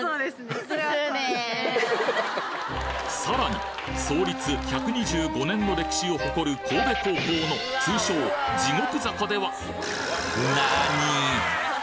さらに創立１２５年の歴史を誇る神戸高校の通称・地獄坂では何！？